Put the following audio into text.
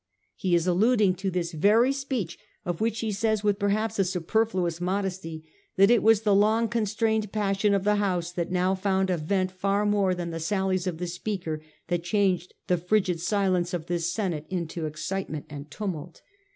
He is alluding to this very speech, of which he says with perhaps a superfluous modesty, that ' it was the long constrained passion of the House that now found a vent far more than the sallies of the speaker that changed the frigid silence of this senate into excitement and tumult.